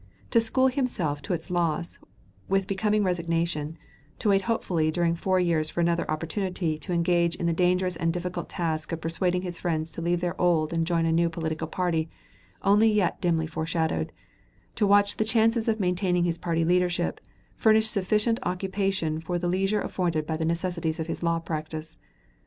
To school himself to its loss with becoming resignation, to wait hopefully during four years for another opportunity, to engage in the dangerous and difficult task of persuading his friends to leave their old and join a new political party only yet dimly foreshadowed, to watch the chances of maintaining his party leadership, furnished sufficient occupation for the leisure afforded by the necessities of his law practice.